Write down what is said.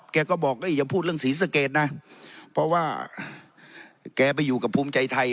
แกก็บอกอย่าพูดเรื่องศรีสะเกดนะเพราะว่าแกไปอยู่กับภูมิใจไทย